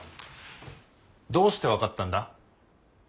どうして分かったんだ？